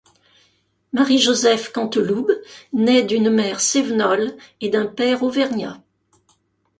Marie Joseph Canteloube naît d'une mère cévenole et d'un père auvergnat.